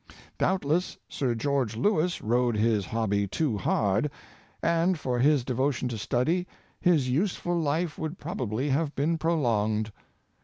Doubtless Sir George Lewis rode his hobby too hard, and, but for his devotion to study, his useful life would probably have been prolonged.